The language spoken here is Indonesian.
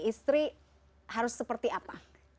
istri harus seperti apa